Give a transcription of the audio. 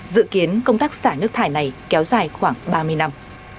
dự kiến công tác xả nước thải này kéo dài khoảng ba mươi năm